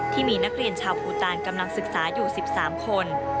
ที่มีนักเรียนชาวภูตานกำลังศึกษาอยู่๑๓คน